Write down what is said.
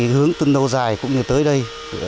hướng tương đô dài cũng như tới đây